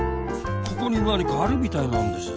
ここになにかあるみたいなんです。